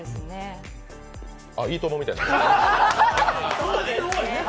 「いいとも」みたいになった。